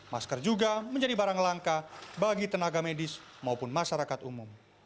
masker juga menjadi barang langka bagi tenaga medis maupun masyarakat umum